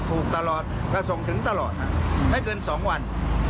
ถูกตลอดก็ส่งถึงตลอดไม่เกิน๒วัน